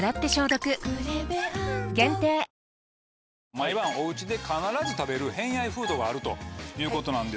毎晩おうちで必ず食べる偏愛フードがあるという。